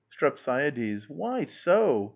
STREPSIADES. Why not?